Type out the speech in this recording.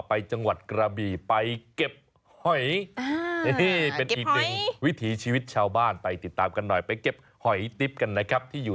ไปจังหวัดกระบีไปเก็บหอย